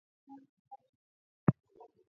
Tungepiga mbizi ndani ya bahari